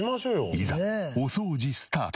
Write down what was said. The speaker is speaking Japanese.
いざお掃除スタート。